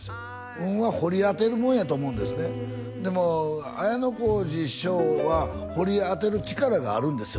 運は掘り当てるもんやと思うんですねでも綾小路翔は掘り当てる力があるんですよ